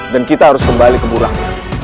dan kita harus kembali ke burang